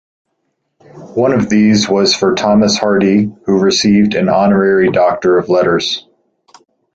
One of these was for Thomas Hardy who received an Honorary D. Litt.